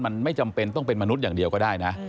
มันไม่จำเป็นต้องเป็นมนุษย์อย่างเดียวก็ได้นะ